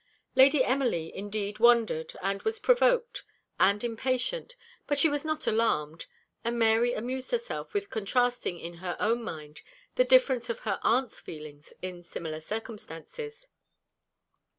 Lady Emily indeed wondered, and was provoked, and impatient; but she was not alarmed; and Mary amused herself with contrasting in her own mind the difference of her aunts' feelings in similar circumstances.